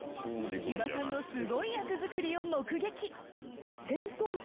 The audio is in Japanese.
千葉さんのスゴい役作りを目撃。